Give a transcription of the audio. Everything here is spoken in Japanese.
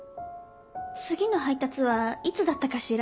次の配達はいつだったかしら？